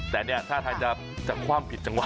แต่เนี่ยท่าทางจะคว่ำผิดจังหว